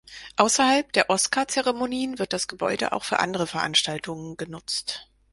Außerhalb der Oscar-Zeremonien wird das Gebäude auch für andere Veranstaltungen genutzt.